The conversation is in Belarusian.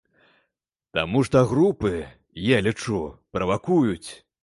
Таму што групы, я лічу, правакуюць.